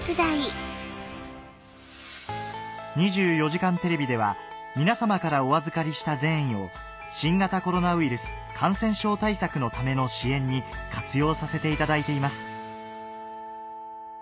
『２４時間テレビ』では皆様からお預かりした善意を新型コロナウイルス感染症対策のための支援に活用させていただいています